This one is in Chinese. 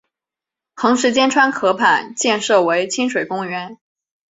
横十间川河畔建设为亲水公园。